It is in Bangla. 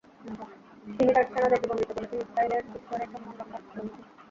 তিনি তাঁর সেনাদের জীবন দিতে বলেছেন ইসরায়েলের ঈশ্বরের সম্মান রক্ষার জন্য।